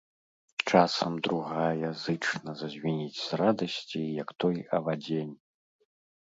Часам другая зычна зазвініць з радасці, як той авадзень.